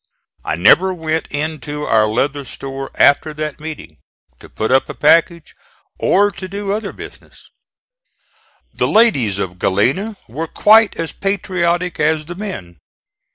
I never went into our leather store after that meeting, to put up a package or do other business. The ladies of Galena were quite as patriotic as the men.